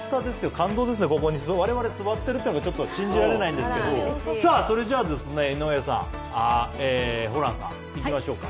感動ですね、我々、座っているというのが信じられないんですけれども、それでは井上さん、ホランさん、いきましょうか。